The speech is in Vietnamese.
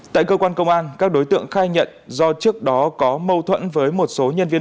tại cơ quan công an các đối tượng khai nhận do trước đó có mâu thuẫn với một số nhân viên